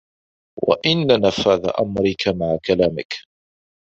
وَإِنَّ نَفَاذَ أَمْرِك مَعَ كَلَامِك